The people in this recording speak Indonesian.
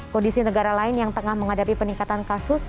kondisi negara lain yang tengah menghadapi peningkatan kasus